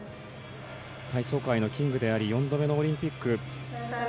体操界のキングであり４度目のオリンピック。